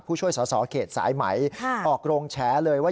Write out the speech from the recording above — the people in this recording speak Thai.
ผู้ช่วยสอสอเขตสายไหมออกโรงแฉเลยว่า